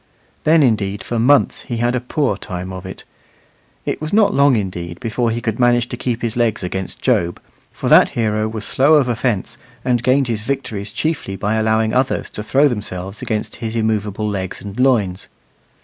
Then indeed for months he had a poor time of it; it was not long indeed before he could manage to keep his legs against Job, for that hero was slow of offence, and gained his victories chiefly by allowing others to throw themselves against his immovable legs and loins.